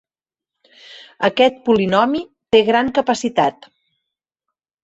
Aquest polinomi té gran capacitat.